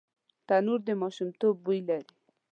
تنور د ماشومتوب بوی لري